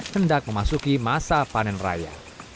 hendak memasuki masa panen raya